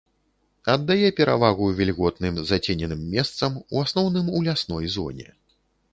Аддае перавагу вільготным зацененым месцам, у асноўным у лясной зоне.